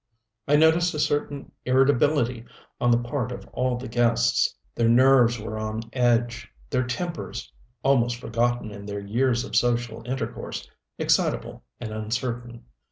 I noticed a certain irritability on the part of all the guests. Their nerves were on edge, their tempers almost forgotten in their years of social intercourse excitable and uncertain.